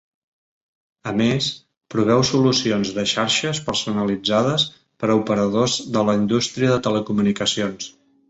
A més, proveu solucions de xarxes personalitzades per a operadors de la indústria de telecomunicacions.